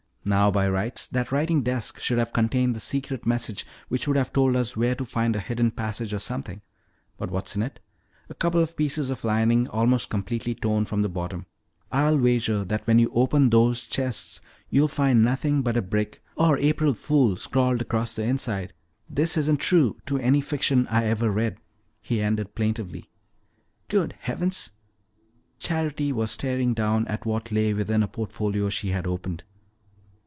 Now, by rights, that writing desk should have contained the secret message which would have told us where to find a hidden passage or something. But what is in it? A couple of pieces of lining almost completely torn from the bottom. I'll wager that when you open those chests you'll find nothing but a brick or 'April Fool' scrawled across the inside. This isn't true to any fiction I ever read," he ended plaintively. "Good Heavens!" Charity was staring down at what lay within a portfolio she had opened.